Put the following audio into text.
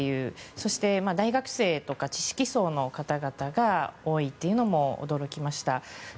そして、大学生とか知識層の方々が多いというのも驚きました。